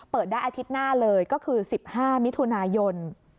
เปิดได้อาทิตย์หน้าเลยก็คือ๑๕มิถุนายน